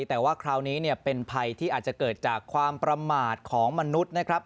แต่ว่าคราวนี้เป็นภัยที่อาจจะเกิดจากความประมาทของมนุษย์นะครับ